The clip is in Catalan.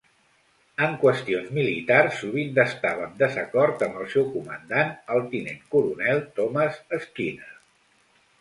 En qüestions militars, sovint estava en desacord amb el seu comandant, el tinent coronel Thomas Skinner.